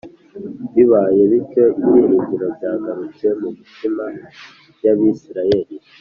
bibaye bityo, ibyiringiro byagarutse mu mitima y’abisiraheli.